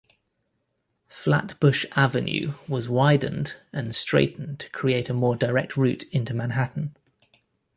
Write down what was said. Flatbush Avenue was widened and straightened to create a more direct route into Manhattan.